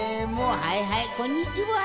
はいはいこんにちは。